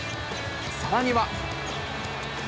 さらには。